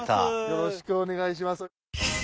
よろしくお願いします。